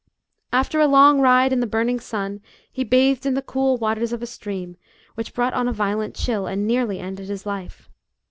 After a long ride in the burning sun he bathed in the cool waters of a stream, which brought on a violent chill, and nearly ended his life.